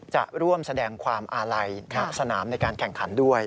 จะร่วมแสดงความอาลัยสนามในการแข่งขันด้วย